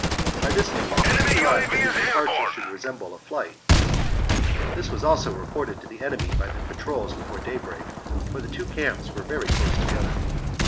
By this means he contrived that his departure should resemble a flight. This also was reported to the enemy by their patrols before daybreak ; for the two camps were very close together.